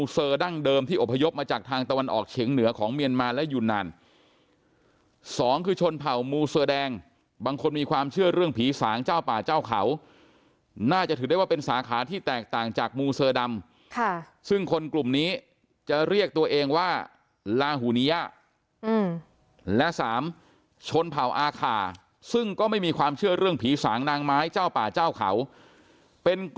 เตอร์ดั้งเดิมที่อพยพมาจากทางตะวันออกเฉียงเหนือของเมียนมาและยูนานสองคือชนเผ่ามูเสือแดงบางคนมีความเชื่อเรื่องผีสางเจ้าป่าเจ้าเขาน่าจะถือได้ว่าเป็นสาขาที่แตกต่างจากมูเสือดำซึ่งคนกลุ่มนี้จะเรียกตัวเองว่าลาหูเนียและสามชนเผ่าอาคาซึ่งก็ไม่มีความเชื่อเรื่องผีสางนางไม้เจ้าป่าเจ้าเขาเป็นก